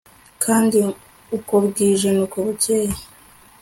kandi uko bwije nuko bukeye